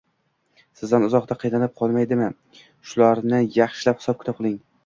Sizdan uzoqda qiynalib qolmaydimi, shularni yaxshilab hisob-kitob qiling